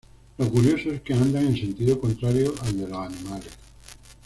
Lo curioso es que andan en sentido contrario al de los animales.